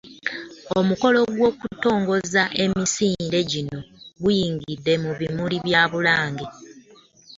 Omukolo gw'okutongoza emisinde gino guyindidde mu bimuli bya Bulange